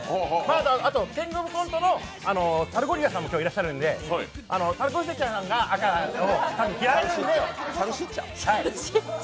あと「キングオブコント」のサルゴリラさんが今日いらっしゃるので、サルゴリラさんが赤を着られるのでサルシッチャ？